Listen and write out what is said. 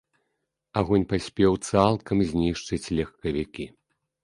Агонь паспеў цалкам знішчыць легкавікі.